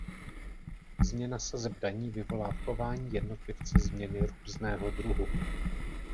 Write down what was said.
Změna sazeb daní vyvolá v chování jednotlivce změny různého druhu.